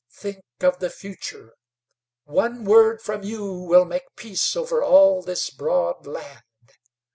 Think of the future. One word from you will make peace over all this broad land.